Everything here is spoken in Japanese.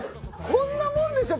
こんなもんでしょ